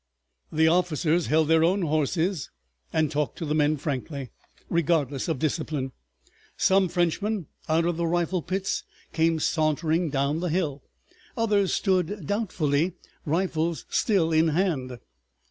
The officers held their own horses, and talked to the men frankly, regardless of discipline. Some Frenchmen out of the rifle pits came sauntering down the hill. Others stood doubtfully, rifles still in hand.